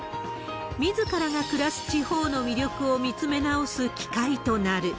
みずからが暮らす地方の魅力を見つめ直す機会となる。